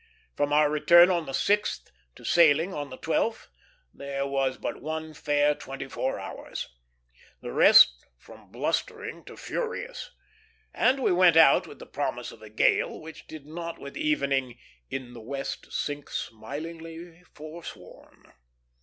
From our return on the 6th, to sailing on the 12th, there was but one fair twenty four hours the rest from blustering to furious; and we went out with the promise of a gale which did not with evening "in the west sink smilingly forsworn."